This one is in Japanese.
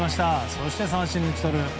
そして三振に打ち取る。